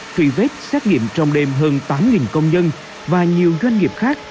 truy vết xét nghiệm trong đêm hơn tám công nhân và nhiều doanh nghiệp khác